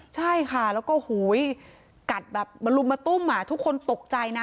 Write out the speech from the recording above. ใช่ค่ะแล้วก็หูยกัดแบบมาลุมมาตุ้มทุกคนตกใจนะ